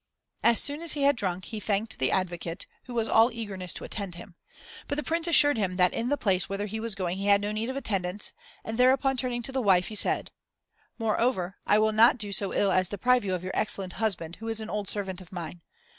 As soon as he had drunk, he thanked the advocate, who was all eagerness to attend him; but the Prince assured him that in the place whither he was going he had no need of attendance, and thereupon turning to the wife, he said "Moreover, I will not do so ill as to deprive you of your excellent husband, who is also an old servant of mine.